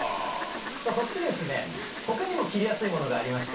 そして他にも切れやすいものがありまして。